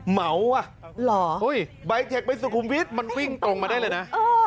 เหมาว่ะใบเทคไปสุขุมวิทย์มันวิ่งตรงมาได้เลยนะ